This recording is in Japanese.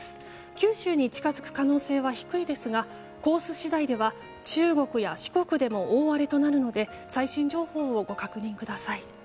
九州に近づく可能性は低いですがコース次第では中国や四国でも大荒れとなるので最新情報をご確認ください。